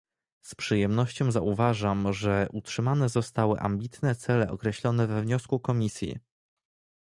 Z przyjemnością zauważam, że utrzymane zostały ambitne cele określone we wniosku Komisji